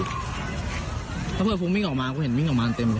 บ๊วยบ๊วยถ้าเผื่อพุ่งวิ่งออกมาก็เห็นวิ่งออกมาเต็มเลย